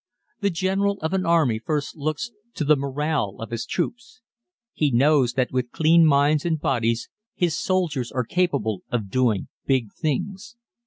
The general of an army first looks to the morale of his troops. He knows that with clean minds and bodies his soldiers are capable of doing big things.